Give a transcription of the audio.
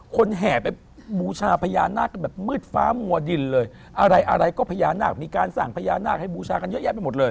แห่ไปบูชาพญานาคกันแบบมืดฟ้ามัวดินเลยอะไรอะไรก็พญานาคมีการสร้างพญานาคให้บูชากันเยอะแยะไปหมดเลย